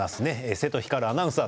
瀬戸光アナウンサー。